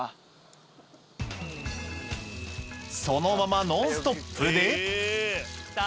そのままノンストップで来た！